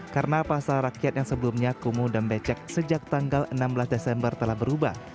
karena pasar rakyat yang sebelumnya kumuh dan becek sejak tanggal enam belas desember telah berubah